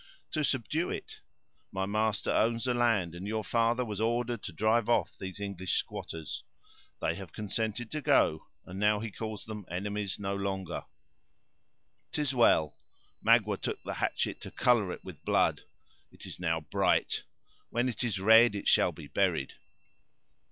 "To subdue it. My master owns the land, and your father was ordered to drive off these English squatters. They have consented to go, and now he calls them enemies no longer." "'Tis well. Magua took the hatchet to color it with blood. It is now bright; when it is red, it shall be buried."